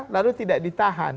lalu tidak ditahan